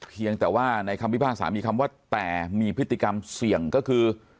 เพียงแต่ว่าในคำพิพากษามีคำว่าแต่มีพฤติกรรมเสี่ยงก็คือ